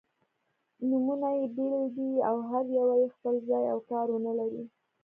نومونه يې بېل دي او هره یوه یې خپل ځای او کار-ونه لري.